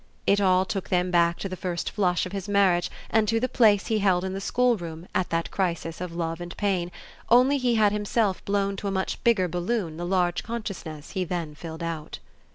It all took them back to the first flush of his marriage and to the place he held in the schoolroom at that crisis of love and pain; only he had himself blown to a much bigger balloon the large consciousness he then filled out.